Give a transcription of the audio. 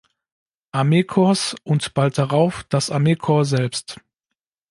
Armeekorps und bald darauf das Armeekorps selbst.